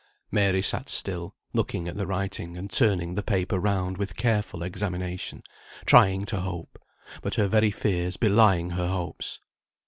Mary sat still, looking at the writing, and turning the paper round with careful examination, trying to hope, but her very fears belying her hopes.